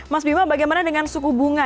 mas bima bagaimana dengan suku bunga